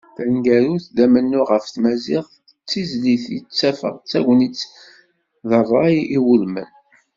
Taneggarut, d amennuɣ ɣef tmaziɣt, d tizlit i ttafeɣ d tagnit d tarrayt iwulmen.